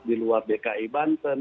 di luar bki banten